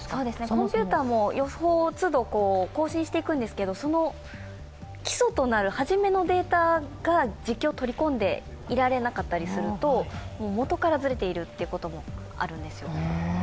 コンピューターも予想を都度更新していくんですがその基礎となる初めのデータが実況を取り込んでいられなかったりすると、もとからずれているということもあるんですよね。